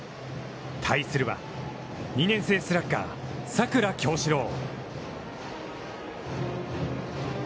対するは２年生スラッガー佐倉侠史朗。